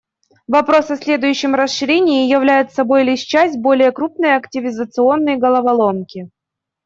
Вопрос о следующем расширении являет собой лишь часть более крупной активизационной головоломки.